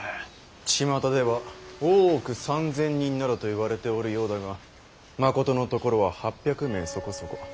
ちまたでは大奥３，０００人などといわれておるようだがまことのところは８００名そこそこ。